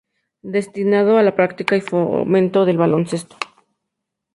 Destinado a la práctica y fomento del baloncesto.